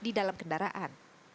di dalam kendaraan